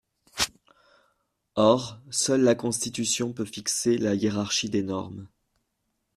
Or, seule la Constitution peut fixer la hiérarchie des normes.